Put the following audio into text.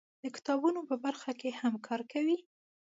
د کتابونو په برخه کې هم کار کوي.